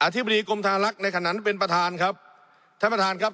ธิบดีกรมธารักษ์ในขณะนั้นเป็นประธานครับท่านประธานครับ